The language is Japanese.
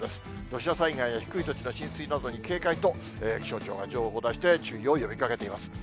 土砂災害や低い土地の浸水などに警戒と、気象庁が情報を出して注意を呼びかけています。